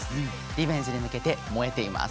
リベンジに向けて燃えています。